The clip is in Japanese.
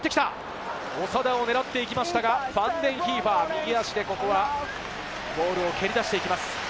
長田を狙っていきましたが、ファンデンヒーファーが右足でボールを蹴り出していきます。